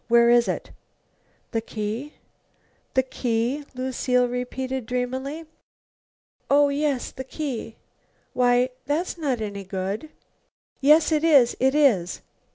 Where is it?" "The key the key?" Lucile repeated dreamily. "Oh, yes, the key. Why, that's not any good." "Yes, it is! It is!"